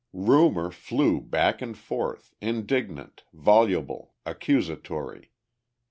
Rumour flew back and forth, indignant, voluble, accusatory.